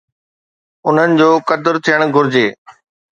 انهن جو قدر ٿيڻ گهرجي.